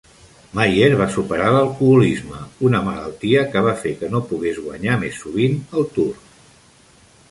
Mayer va superar l'alcoholisme, una malaltia que va fer que no pogués guanyar més sovint al Tour.